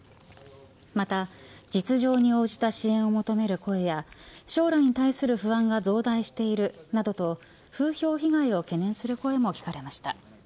また、実情に応じた支援を求める声や将来に対する不安が増大しているなどと風評被害を懸念する声も聞かれました。